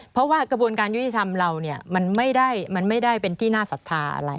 เพราะว่ากระบวนการยุติธรรมเราเนี่ยมันไม่ได้เป็นที่น่าศรัทธาอะไร